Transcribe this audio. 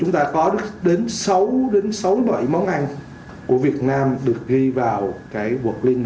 chúng ta có đến sáu bảy món ăn của việt nam được ghi vào cái quật link